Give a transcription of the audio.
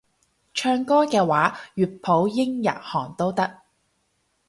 唱歌嘅話粵普英日韓都得